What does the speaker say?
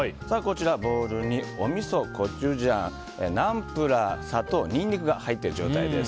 ボウルにおみそ、コチュジャンナンプラー砂糖、ニンニクが入っている状態です。